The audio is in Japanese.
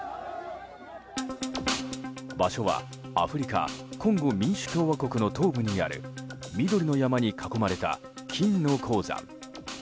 場所はアフリカコンゴ民主共和国の東部にある緑の山に囲まれた金の鉱山。